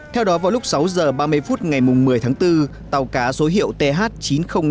theo đó vào lúc sáu h ba mươi phút ngày một mươi tháng bốn tàu cá số hiệu th chín mươi nghìn năm trăm một mươi ba ts